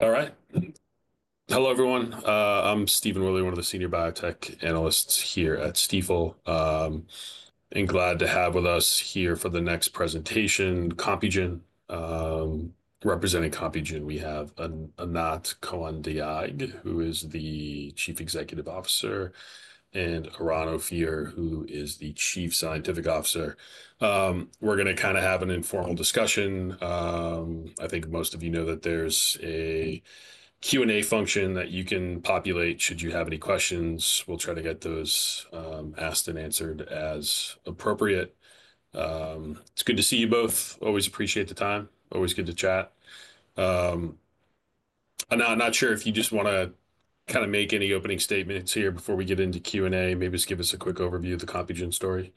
All right. Hello, everyone. I'm Stephen Willey, one of the senior biotech analysts here at Stifel, and glad to have with us here for the next presentation. Compugen representing Compugen, we have Anat Cohen-Dayag, who is the Chief Executive Officer, and Eran Ophir, who is the Chief Scientific Officer. We're going to kind of have an informal discussion. I think most of you know that there's a Q&A function that you can populate should you have any questions. We'll try to get those asked and answered as appropriate. It's good to see you both. Always appreciate the time. Always good to chat. Anat, not sure if you just want to kind of make any opening statements here before we get into Q&A. Maybe just give us a quick overview of the Compugen story.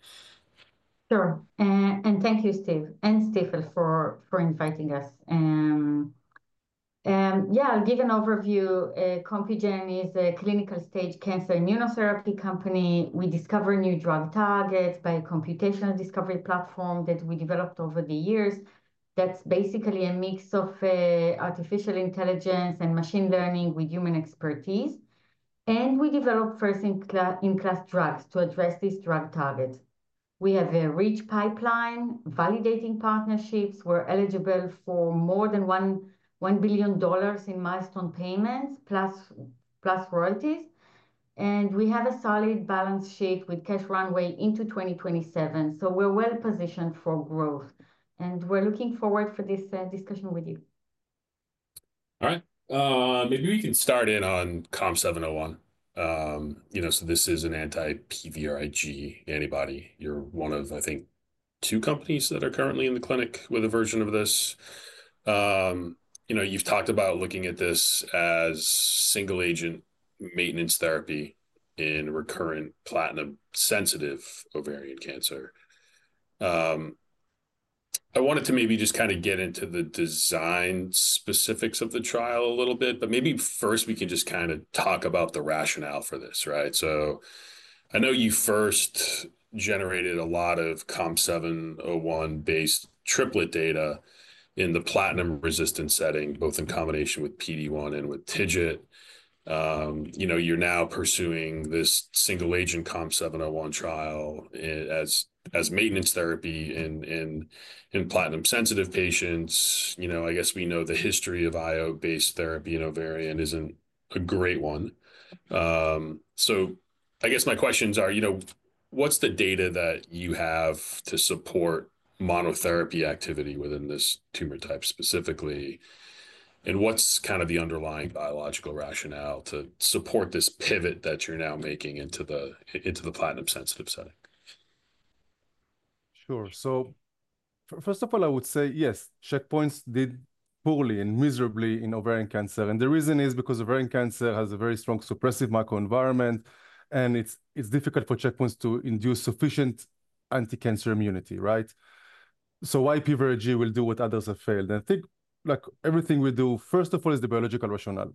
Sure. Thank you, Steve and Stifel, for inviting us. Yeah, I'll give an overview. Compugen is a clinical stage cancer immunotherapy company. We discover new drug targets by a computational discovery platform that we developed over the years. That's basically a mix of artificial intelligence and machine learning with human expertise. We develop first-in-class drugs to address these drug targets. We have a rich pipeline, validating partnerships. We're eligible for more than $1 billion in milestone payments, plus royalties. We have a solid balance sheet with cash runway into 2027. We're well positioned for growth. We're looking forward to this discussion with you. All right. Maybe we can start in on COM701. This is an anti-PVRIG antibody. You're one of, I think, two companies that are currently in the clinic with a version of this. You've talked about looking at this as single-agent maintenance therapy in recurrent platinum-sensitive ovarian cancer. I wanted to maybe just kind of get into the design specifics of the trial a little bit. Maybe first, we can just kind of talk about the rationale for this, right? I know you first generated a lot of COM701-based triplet data in the platinum-resistant setting, both in combination with PD-1 and with TIGIT. You're now pursuing this single-agent COM701 trial as maintenance therapy in platinum-sensitive patients. I guess we know the history of IO-based therapy in ovarian isn't a great one. I guess my questions are, what's the data that you have to support monotherapy activity within this tumor type specifically? What's kind of the underlying biological rationale to support this pivot that you're now making into the platinum-sensitive setting? Sure. First of all, I would say, yes, checkpoints did poorly and miserably in ovarian cancer. The reason is because ovarian cancer has a very strong suppressive microenvironment. It's difficult for checkpoints to induce sufficient anti-cancer immunity, right? Why PVRIG will do what others have failed. I think everything we do, first of all, is the biological rationale.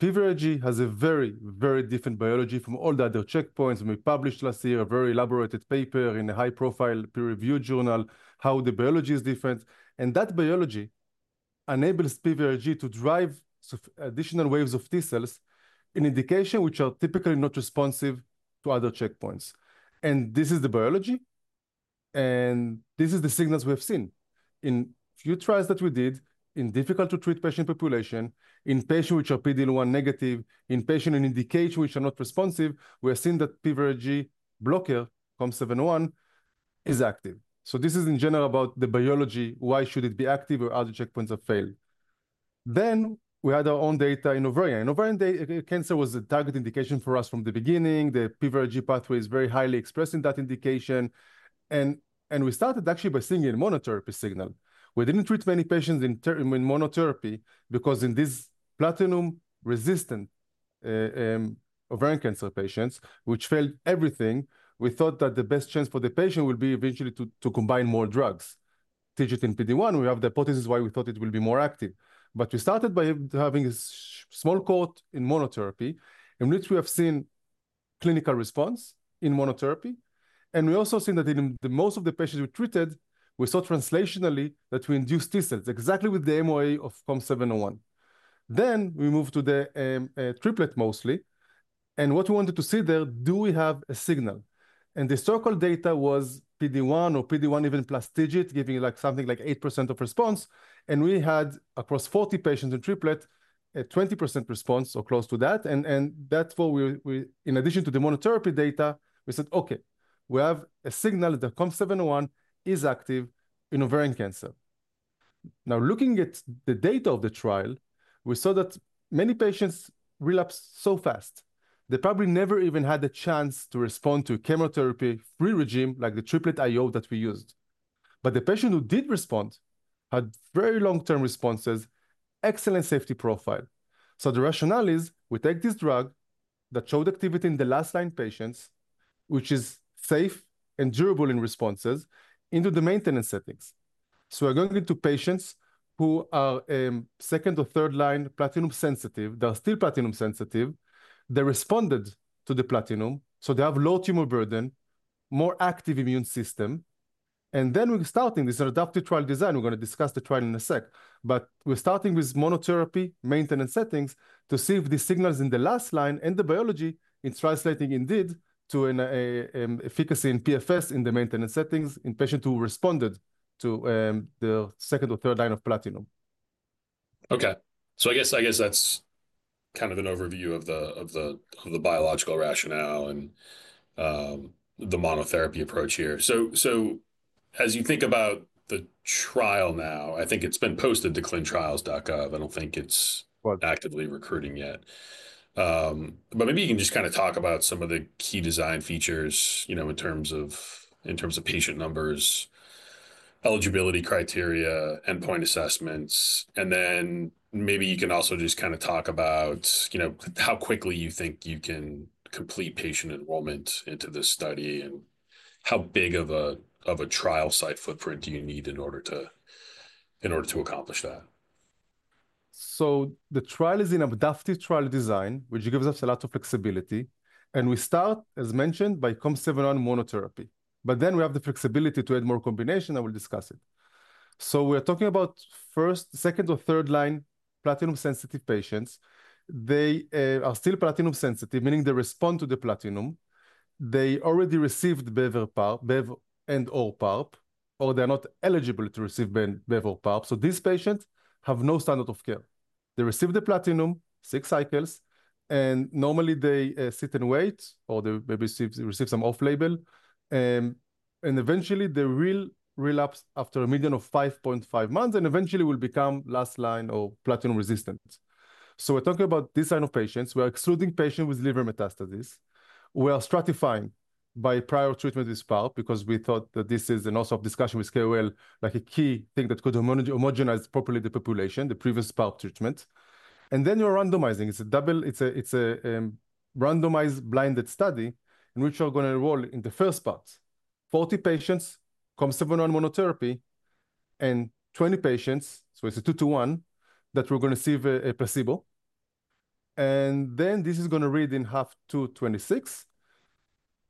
PVRIG has a very, very different biology from all the other checkpoints. We published last year a very elaborated paper in a high-profile peer-reviewed journal how the biology is different. That biology enables PVRIG to drive additional waves of T-cells in indication which are typically not responsive to other checkpoints. This is the biology. This is the signals we have seen in few trials that we did in difficult-to-treat patient population, in patients which are PD-1 negative, in patients in indication which are not responsive. We have seen that PVRIG blocker, COM701, is active. This is, in general, about the biology. Why should it be active or other checkpoints have failed? We had our own data in ovarian. In ovarian cancer, it was a target indication for us from the beginning. The PVRIG pathway is very highly expressed in that indication. We started actually by seeing a monotherapy signal. We didn't treat many patients in monotherapy because in these platinum-resistant ovarian cancer patients, which failed everything, we thought that the best chance for the patient would be eventually to combine more drugs. TIGIT and PD-1, we have the hypothesis why we thought it will be more active. We started by having a small cohort in monotherapy. We have seen clinical response in monotherapy. We also saw that in most of the patients we treated, we saw translationally that we induced T-cells exactly with the MOA of COM701. We moved to the triplet mostly. What we wanted to see there was, do we have a signal? The historical data was PD-1 or PD-1, even plus TIGIT, giving something like 8% of response. We had, across 40 patients in triplet, a 20% response or close to that. Therefore, in addition to the monotherapy data, we said, okay, we have a signal that COM701 is active in ovarian cancer. Now, looking at the data of the trial, we saw that many patients relapsed so fast. They probably never even had the chance to respond to chemotherapy-free regime like the triplet IO that we used. The patient who did respond had very long-term responses, excellent safety profile. The rationale is we take this drug that showed activity in the last-line patients, which is safe and durable in responses, into the maintenance settings. We are going into patients who are second or third-line platinum-sensitive. They are still platinum-sensitive. They responded to the platinum. They have low tumor burden, more active immune system. We are starting this adaptive trial design. We are going to discuss the trial in a sec. We are starting with monotherapy maintenance settings to see if the signals in the last line and the biology in translating indeed to an efficacy in PFS in the maintenance settings in patients who responded to the second or third-line of platinum. Okay. I guess that's kind of an overview of the biological rationale and the monotherapy approach here. As you think about the trial now, I think it's been posted to clin-trials.gov. I don't think it's actively recruiting yet. Maybe you can just kind of talk about some of the key design features in terms of patient numbers, eligibility criteria, endpoint assessments. Maybe you can also just kind of talk about how quickly you think you can complete patient enrollment into this study and how big of a trial site footprint you need in order to accomplish that. The trial is an adaptive trial design, which gives us a lot of flexibility. We start, as mentioned, by COM701 monotherapy. We have the flexibility to add more combinations. I will discuss it. We are talking about first, second, or third-line platinum-sensitive patients. They are still platinum-sensitive, meaning they respond to the platinum. They already received Bevoparp and/or PARP, or they are not eligible to receive Bevoparp. These patients have no standard of care. They receive the platinum, six cycles. Normally, they sit and wait, or they maybe receive some off-label. Eventually, they will relapse after a median of 5.5 months and eventually will become last-line or platinum-resistant. We are talking about this line of patients. We are excluding patients with liver metastasis. We are stratifying by prior treatment with PARP because we thought that this is also, like a key thing that could homogenize properly the population, the previous PARP treatment. We are randomizing. It's a randomized blinded study in which we're going to enroll in the first part 40 patients, COM701 monotherapy, and 20 patients, so it's a two-to-one, that we're going to see a placebo. This is going to read in half to 26.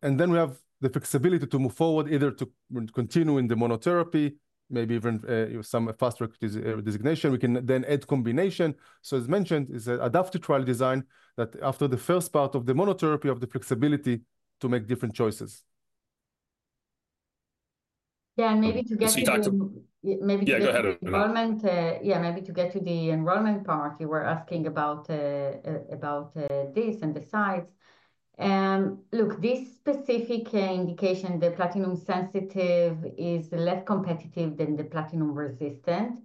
We have the flexibility to move forward, either to continue in the monotherapy, maybe even some fast recognition. We can then add combination. As mentioned, it's an adaptive trial design that after the first part of the monotherapy we have the flexibility to make different choices. Yeah, maybe to get to the. Yeah, go ahead. Yeah, maybe to get to the enrollment part, you were asking about this and the sites. Look, this specific indication, the platinum-sensitive, is less competitive than the platinum-resistant.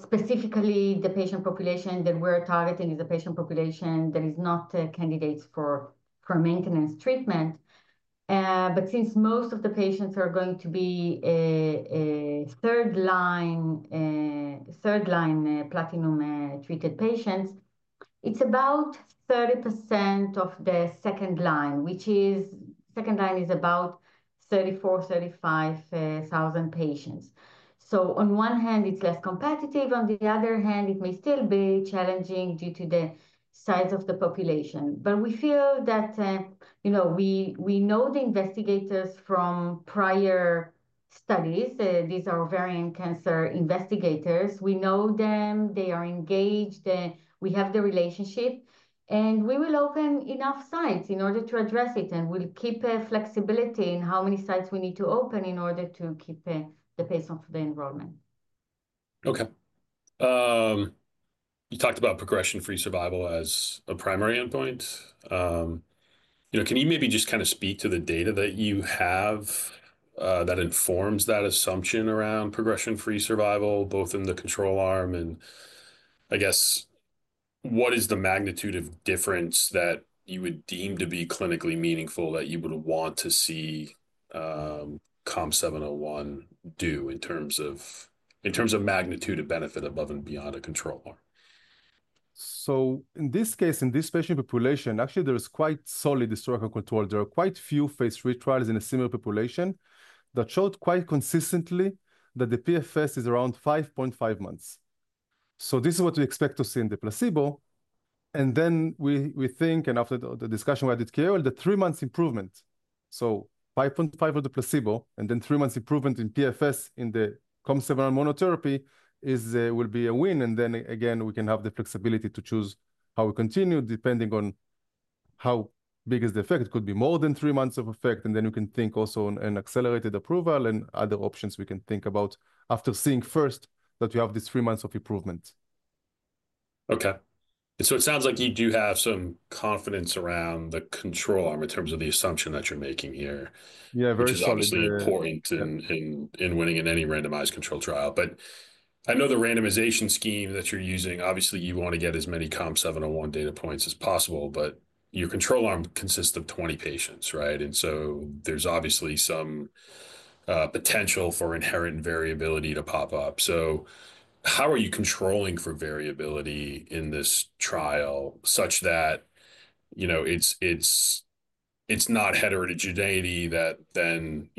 Specifically, the patient population that we're targeting is a patient population that is not a candidate for maintenance treatment. Since most of the patients are going to be third-line platinum-treated patients, it's about 30% of the second line, which is second line is about 34,000-35,000 patients. On one hand, it's less competitive. On the other hand, it may still be challenging due to the size of the population. We feel that we know the investigators from prior studies. These are ovarian cancer investigators. We know them. They are engaged. We have the relationship. We will open enough sites in order to address it. We'll keep flexibility in how many sites we need to open in order to keep the pace of the enrollment. Okay. You talked about progression-free survival as a primary endpoint. Can you maybe just kind of speak to the data that you have that informs that assumption around progression-free survival, both in the control arm? I guess, what is the magnitude of difference that you would deem to be clinically meaningful that you would want to see COM701 do in terms of magnitude of benefit above and beyond a control arm? In this case, in this patient population, actually, there is quite solid historical control. There are quite few phase III trials in a similar population that showed quite consistently that the PFS is around 5.5 months. This is what we expect to see in the placebo. We think, and after the discussion we had with KOL, the three month improvement. 5.5 of the placebo and then three months improvement in PFS in the COM701 monotherapy will be a win. Again, we can have the flexibility to choose how we continue depending on how big is the effect. It could be more than three months of effect. You can think also on an accelerated approval and other options we can think about after seeing first that you have these three months of improvement. Okay. It sounds like you do have some confidence around the control arm in terms of the assumption that you're making here. Yeah, very confident. Which is probably very important in winning in any randomized control trial. I know the randomization scheme that you're using, obviously, you want to get as many COM701 data points as possible. Your control arm consists of 20 patients, right? There's obviously some potential for inherent variability to pop up. How are you controlling for variability in this trial such that it's not heterogeneity that then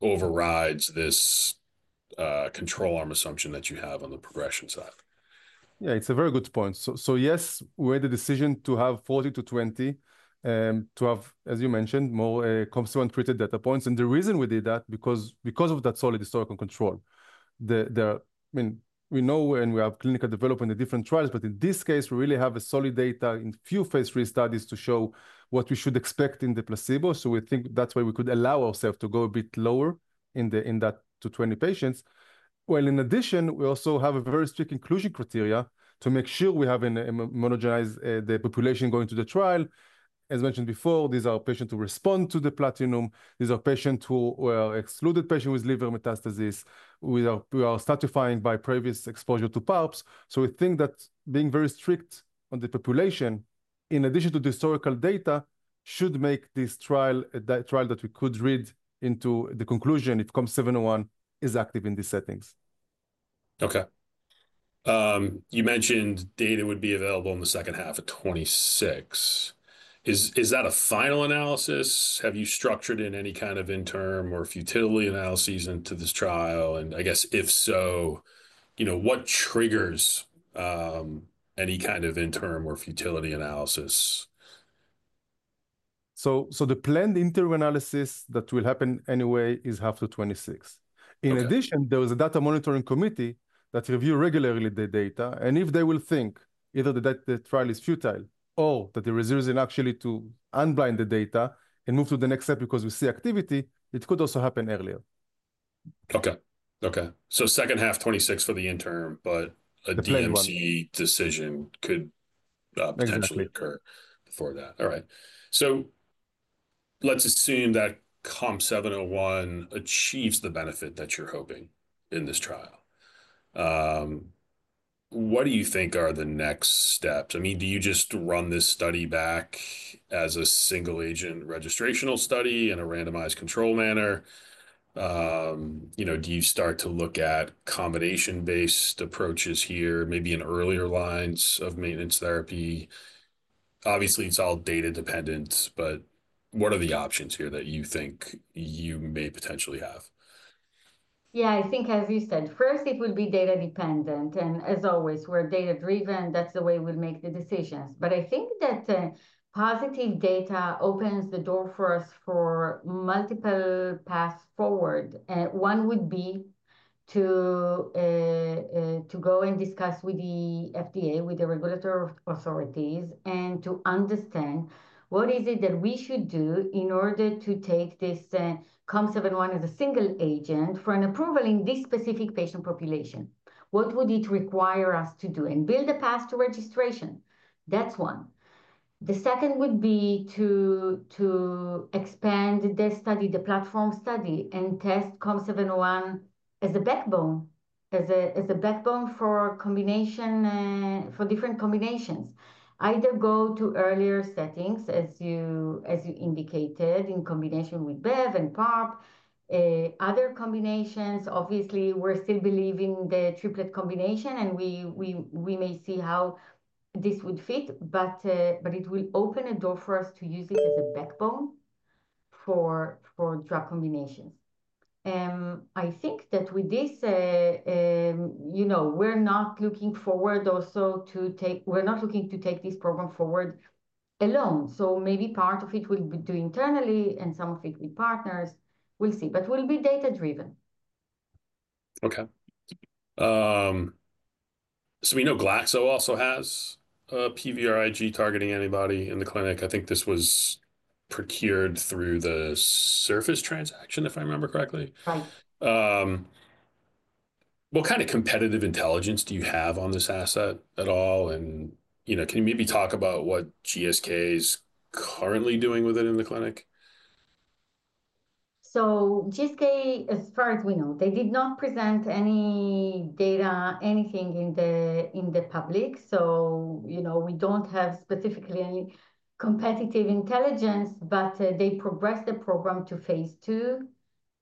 overrides this control arm assumption that you have on the progression side? Yeah, it's a very good point. Yes, we made the decision to have 40 to 20, to have, as you mentioned, more COM701-treated data points. The reason we did that, because of that solid historical control. I mean, we know and we have clinical development in different trials. In this case, we really have solid data in few phase III studies to show what we should expect in the placebo. We think that's why we could allow ourselves to go a bit lower in that to 20 patients. In addition, we also have a very strict inclusion criteria to make sure we have monogenized the population going to the trial. As mentioned before, these are patients who respond to the platinum. These are patients who are excluded patients with liver metastasis. We are stratifying by previous exposure to PARPs. We think that being very strict on the population, in addition to the historical data, should make this trial that we could read into the conclusion if COM701 is active in these settings. Okay. You mentioned data would be available in the second half of 2026. Is that a final analysis? Have you structured in any kind of interim or futility analyses into this trial? I guess, if so, what triggers any kind of interim or futility analysis? The planned interim analysis that will happen anyway is half to 26. In addition, there was a data monitoring committee that reviews regularly the data. If they will think either the trial is futile or that the reserves are actually to unblind the data and move to the next step because we see activity, it could also happen earlier. Okay. Okay. Second half, 2026 for the interim, but a DNC decision could potentially occur before that. All right. Let's assume that COM701 achieves the benefit that you're hoping in this trial. What do you think are the next steps? I mean, do you just run this study back as a single-agent registrational study in a randomized control manner? Do you start to look at combination-based approaches here, maybe in earlier lines of maintenance therapy? Obviously, it's all data-dependent, but what are the options here that you think you may potentially have? Yeah, I think, as you said, first, it would be data-dependent. As always, we're data-driven. That's the way we make the decisions. I think that positive data opens the door for us for multiple paths forward. One would be to go and discuss with the FDA, with the regulatory authorities, and to understand what is it that we should do in order to take this COM701 as a single agent for an approval in this specific patient population. What would it require us to do? Build a path to registration. That's one. The second would be to expand the study, the platform study, and test COM701 as a backbone for different combinations. Either go to earlier settings, as you indicated, in combination with Bev and PARP, other combinations. Obviously, we're still believing the triplet combination, and we may see how this would fit. It will open a door for us to use it as a backbone for drug combinations. I think that with this, we're not looking forward also to take we're not looking to take this program forward alone. Maybe part of it will be done internally, and some of it with partners. We'll see. We'll be data-driven. Okay. We know Glaxo also has a PVRIG-targeting antibody in the clinic. I think this was procured through the surface transaction, if I remember correctly. Right. What kind of competitive intelligence do you have on this asset at all? Can you maybe talk about what GSK is currently doing with it in the clinic? GSK, as far as we know, they did not present any data, anything in the public. We do not have specifically any competitive intelligence, but they progressed the program to phase II,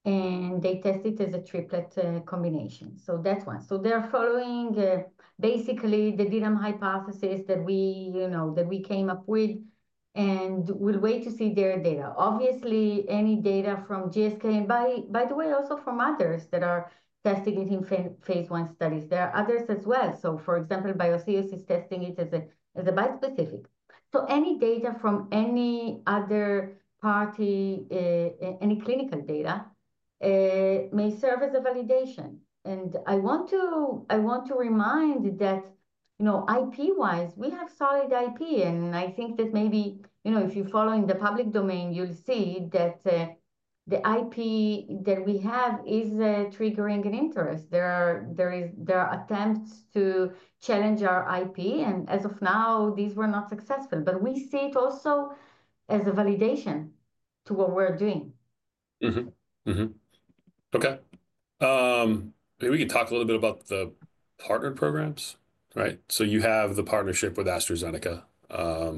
and they tested as a triplet combination. That is one. They are following basically the DNA hypothesis that we came up with, and we will wait to see their data. Obviously, any data from GSK, and by the way, also from others that are testing it in phase I studies, there are others as well. For example, BioEos is testing it as a bispecific. Any data from any other party, any clinical data may serve as a validation. I want to remind that IP-wise, we have solid IP. I think that maybe if you follow in the public domain, you will see that the IP that we have is triggering an interest. There are attempts to challenge our IP. As of now, these were not successful. We see it also as a validation to what we're doing. Okay. Maybe we can talk a little bit about the partner programs, right? You have the partnership with AstraZeneca.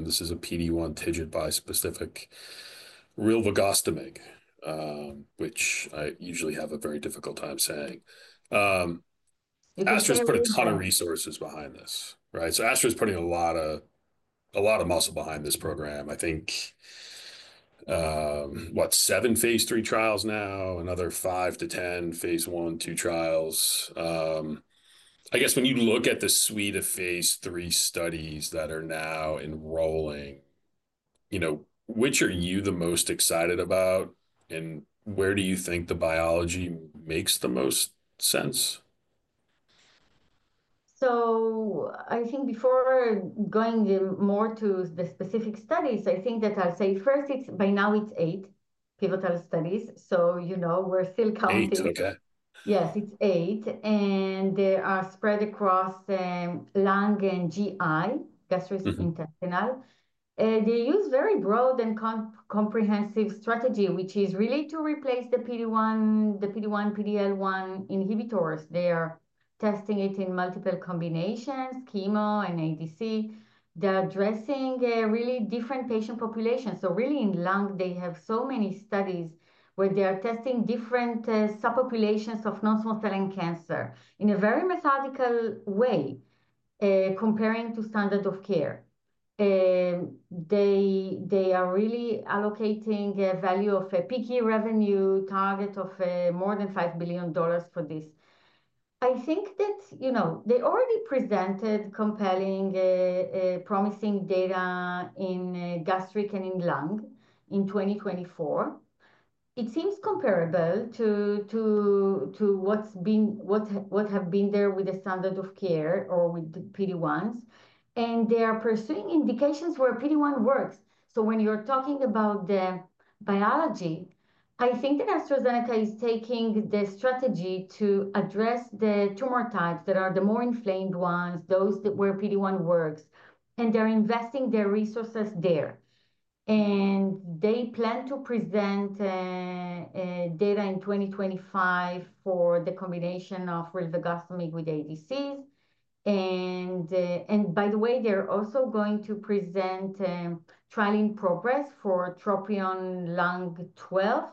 This is a PD-1 triggered bispecific, rilvegostomig, which I usually have a very difficult time saying. Astra's put a ton of resources behind this, right? Astra's putting a lot of muscle behind this program. I think, what, seven phase III trials now, another 5-10 phase I, II trials. I guess when you look at the suite of phase III studies that are now enrolling, which are you the most excited about? Where do you think the biology makes the most sense? I think before going more to the specific studies, I think that I'll say first, by now, it's eight pivotal studies. We're still counting. Eight, okay. Yes, it's eight. They are spread across lung and GI, gastrointestinal. They use a very broad and comprehensive strategy, which is really to replace the PD-1, the PD-1, PD-L1 inhibitors. They are testing it in multiple combinations, chemo and ADC. They are addressing really different patient populations. In lung, they have so many studies where they are testing different subpopulations of non-small cell cancer in a very methodical way, comparing to standard of care. They are really allocating a value of a peak year revenue target of more than $5 billion for this. I think that they already presented compelling, promising data in gastric and in lung in 2024. It seems comparable to what's been there with the standard of care or with the PD-1s. They are pursuing indications where PD-1 works. When you're talking about the biology, I think that AstraZeneca is taking the strategy to address the tumor types that are the more inflamed ones, those where PD-1 works. They're investing their resources there. They plan to present data in 2025 for the combination of rilvegostomig with ADCs. By the way, they're also going to present trial in progress for TROPION-Lung 12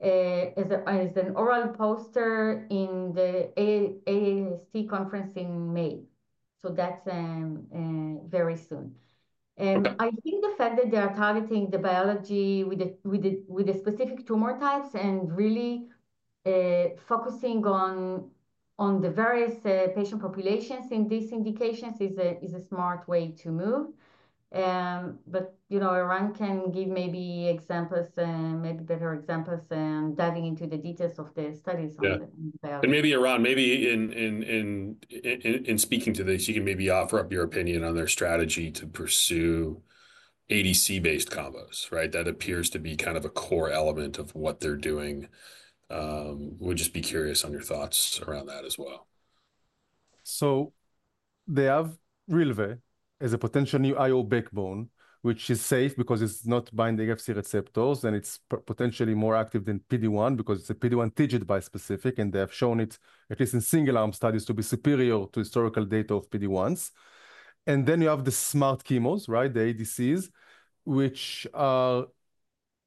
as an oral poster in the AST conference in May. That's very soon. I think the fact that they are targeting the biology with the specific tumor types and really focusing on the various patient populations in these indications is a smart way to move. Eran can give maybe examples, maybe better examples, diving into the details of the studies on the biology. Maybe, Eran, maybe in speaking to this, you can maybe offer up your opinion on their strategy to pursue ADC-based combos, right? That appears to be kind of a core element of what they're doing. We'd just be curious on your thoughts around that as well. They have rilve as a potential new IO backbone, which is safe because it is not binding FC receptors, and it is potentially more active than PD-1 because it is a PD-1 triggered bispecific. They have shown it, at least in single-arm studies, to be superior to historical data of PD-1s. You have the smart chemos, the ADCs, which are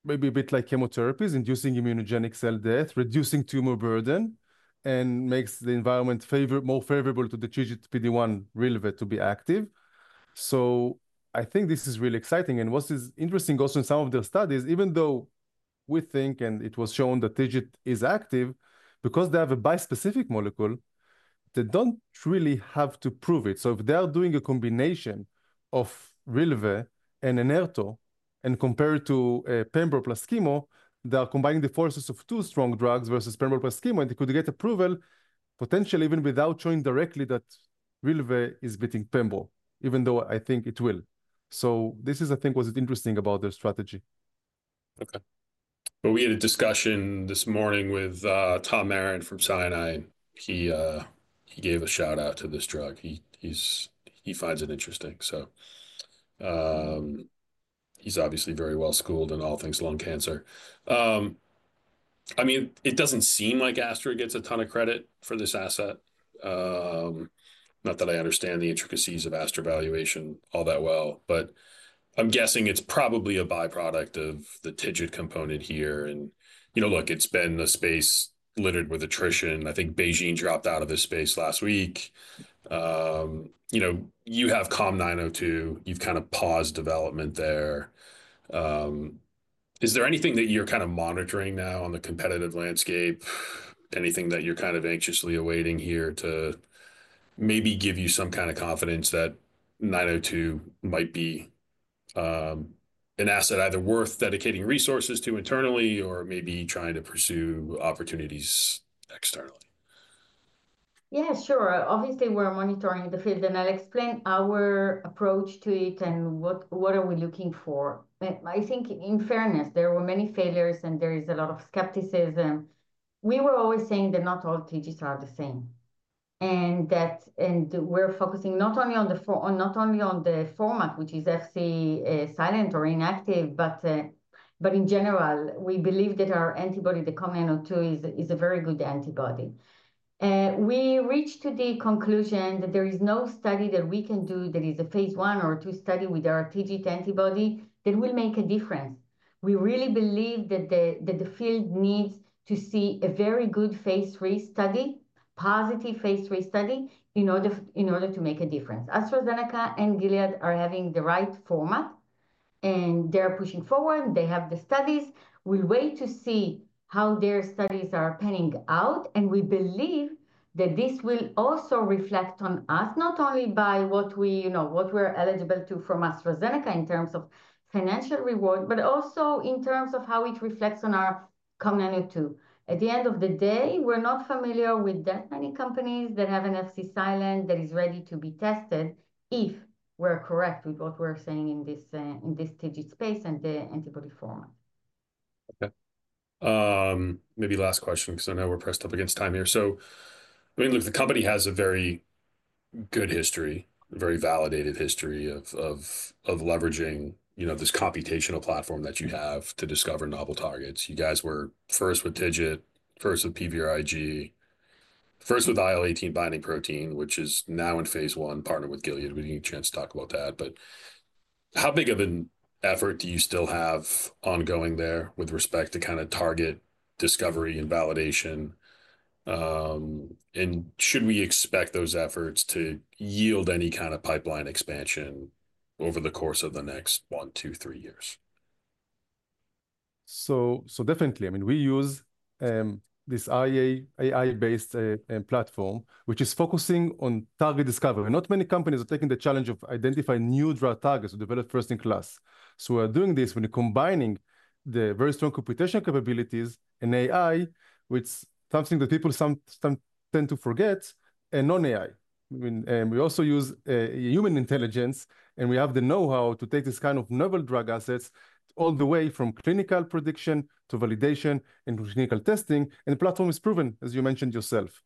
maybe a bit like chemotherapies, inducing immunogenic cell death, reducing tumor burden, and making the environment more favorable to the triggered PD-1 rilve to be active. I think this is really exciting. What is interesting also in some of their studies, even though we think, and it was shown that triggered is active, because they have a bispecific molecule, they do not really have to prove it. If they are doing a combination of rilve and Imfinzi and compare it to Pembro plus chemo, they are combining the forces of two strong drugs versus Pembro plus chemo, and they could get approval, potentially even without showing directly that rilve is beating Pembro, even though I think it will. This is, I think, what's interesting about their strategy. Okay. We had a discussion this morning with Tom Marin from Sinai. He gave a shout-out to this drug. He finds it interesting. He is obviously very well-schooled in all things lung cancer. I mean, it does not seem like AstraZeneca gets a ton of credit for this asset. Not that I understand the intricacies of AstraZeneca valuation all that well. I am guessing it is probably a byproduct of the triggered component here. Look, it has been a space littered with attrition. I think BeiGene dropped out of this space last week. You have COM902. You have kind of paused development there. Is there anything that you are kind of monitoring now on the competitive landscape? Anything that you are kind of anxiously awaiting here to maybe give you some kind of confidence that COM902 might be an asset either worth dedicating resources to internally or maybe trying to pursue opportunities externally? Yeah, sure. Obviously, we're monitoring the field. I'll explain our approach to it and what we are looking for. I think in fairness, there were many failures, and there is a lot of skepticism. We were always saying that not all triggers are the same. We're focusing not only on the format, which is FC silent or inactive, but in general, we believe that our antibody, the COM902, is a very good antibody. We reached the conclusion that there is no study that we can do that is a phase I or II study with our triggered antibody that will make a difference. We really believe that the field needs to see a very good phase III study, positive phase III study, in order to make a difference. AstraZeneca and Gilead are having the right format, and they're pushing forward. They have the studies. We'll wait to see how their studies are panning out. We believe that this will also reflect on us, not only by what we're eligible to from AstraZeneca in terms of financial reward, but also in terms of how it reflects on our COM902. At the end of the day, we're not familiar with that many companies that have an FC silent that is ready to be tested if we're correct with what we're saying in this triggered space and the antibody format. Okay. Maybe last question because I know we're pressed up against time here. I mean, look, the company has a very good history, very validated history of leveraging this computational platform that you have to discover novel targets. You guys were first with triggered, first with PVRIG, first with IL-18 binding protein, which is now in phase I, partnered with Gilead. We didn't get a chance to talk about that. How big of an effort do you still have ongoing there with respect to kind of target discovery and validation? Should we expect those efforts to yield any kind of pipeline expansion over the course of the next one, two, three years? Definitely, I mean, we use this AI-based platform, which is focusing on target discovery. Not many companies are taking the challenge of identifying new drug targets to develop first-in-class. We're doing this when combining the very strong computational capabilities and AI, which is something that people sometimes tend to forget, and non-AI. We also use human intelligence, and we have the know-how to take this kind of novel drug assets all the way from clinical prediction to validation and clinical testing. The platform is proven, as you mentioned yourself.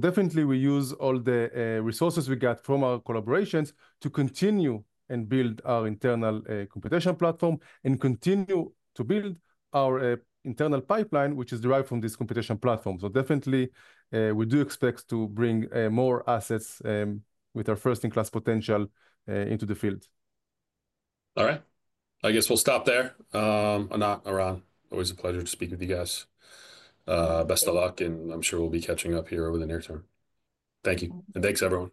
Definitely, we use all the resources we got from our collaborations to continue and build our internal computational platform and continue to build our internal pipeline, which is derived from this computational platform. Definitely, we do expect to bring more assets with our first-in-class potential into the field. All right. I guess we'll stop there. Anat Eran, always a pleasure to speak with you guys. Best of luck. I'm sure we'll be catching up here over the near term. Thank you. Thanks, everyone.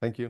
Thank you.